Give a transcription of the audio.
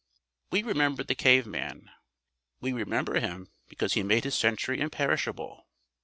We remember the caveman. We remember him because he made his century imperishable.